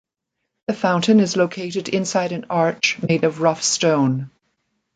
The fountain is located inside an arch made of rough stone.